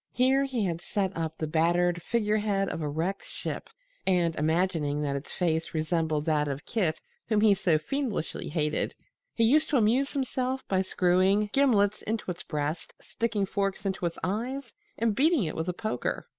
Here he had set up the battered figurehead of a wrecked ship and, imagining that its face resembled that of Kit whom he so fiendishly hated, he used to amuse himself by screwing gimlets into its breast, sticking forks into its eyes and beating it with a poker.